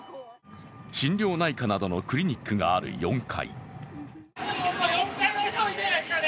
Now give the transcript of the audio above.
心療内科などのクリニックがある４階。